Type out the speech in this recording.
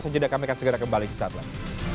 nanti kita akan segera kembali ke saat lain